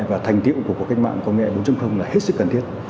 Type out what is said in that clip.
và thành tiệu của các kênh mạng công nghệ bốn là hết sức cần thiết